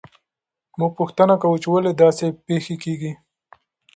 موږ پوښتنه کوو چې ولې داسې پېښې کیږي.